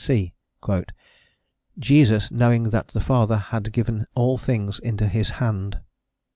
(c) "Jesus, knowing that the Father had given all things into his hand."